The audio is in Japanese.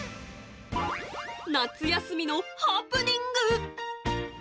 夏休みのハプニング。